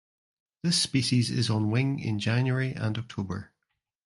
This species is on wing in January and October.